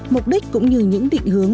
mục đích cũng như những định hướng